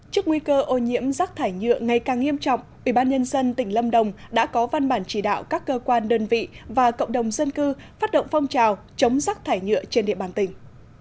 trước nguy cơ ô nhiễm rác thải nhựa ngày càng nghiêm trọng ubnd tỉnh lâm đồng đã có văn bản chỉ đạo các cơ quan đơn vị và cộng đồng dân cư phát động phong trào chống rác thải nhựa trên địa bàn tỉnh